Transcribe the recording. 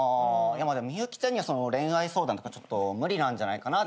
でも幸ちゃんには恋愛相談とかちょっと無理なんじゃないかな。